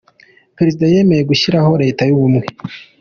Perezida yemeye gushyiraho Leta y’Ubumwe